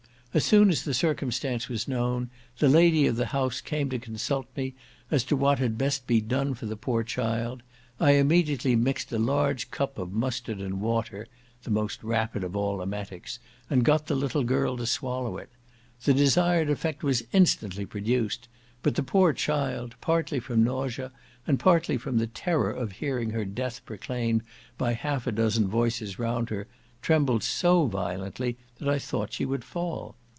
As soon as the circumstance was known, the lady of the house came to consult me as to what had best be done for the poor child; I immediately mixed a large cup of mustard and water (the most rapid of all emetics) and got the little girl to swallow it. The desired effect was instantly produced, but the poor child, partly from nausea, and partly from the terror of hearing her death proclaimed by half a dozen voices round her, trembled so violently that I thought she would fall.